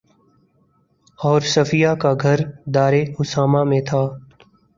اور صفیہ کا گھر دارِ اسامہ میں تھا